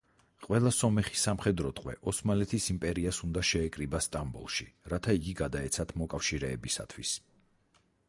ყველა სომეხი სამხედრო ტყვე ოსმალეთის იმპერიას უნდა შეეკრიბა სტამბოლში, რათა იგი გადაეცათ მოკავშირეებისათვის.